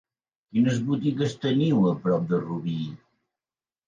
Quines botigues teniu a prop de Rubí?